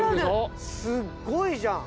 すっごいじゃん！